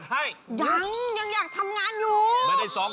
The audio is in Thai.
ก็แหละมันติดอยู่นิดนึง